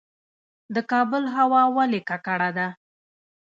د کابل هوا ولې ککړه ده؟